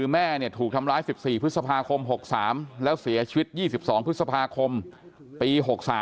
แม่ถูกทำร้าย๑๔พฤษภาคม๖๓แล้วเสียชีวิต๒๒พฤษภาคมปี๖๓